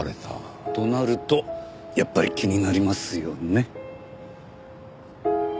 となるとやっぱり気になりますよね。